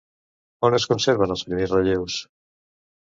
On es conserven els primers relleus?